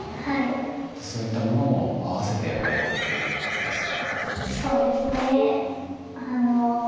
そういったものも合わせてやっぱりあるということですか？